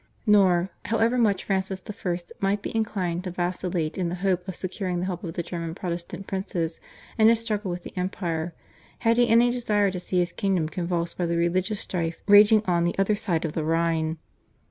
Nor, however much Francis I. might be inclined to vacillate in the hope of securing the help of the German Protestant princes in his struggle with the empire, had he any desire to see his kingdom convulsed by the religious strife raging on the other side of the Rhine.